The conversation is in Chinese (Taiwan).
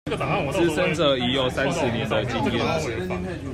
資深者已有三十年的經驗